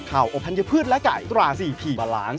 ข่าวอบทันยพืชและไก่ตราซีพีบาลานซ์